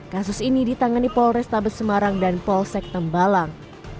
kasus ini ditangani polrestabes semarang dan polsek tembalang